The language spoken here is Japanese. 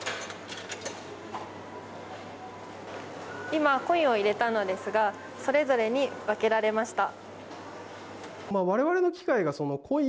今、コインを入れたのですがそれぞれに分けられました。